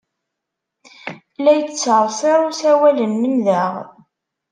La yettsersir usawal-nnem daɣ.